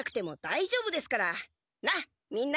なっみんな！